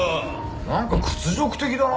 なんか屈辱的だな！